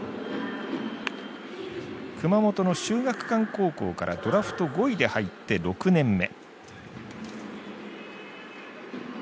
熊本の秀岳館高校からドラフト５位で入って６年目。